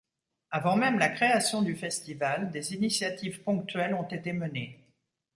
Avant même la création du festival, des initiatives ponctuelles ont été menées.